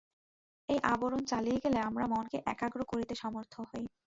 এই আবরণ চলিয়া গেলে আমরা মনকে একাগ্র করিতে সমর্থ হই।